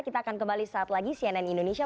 kita akan kembali saat lagi cnn indonesia